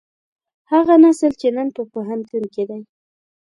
هغه نسل چې نن په پوهنتون کې دی.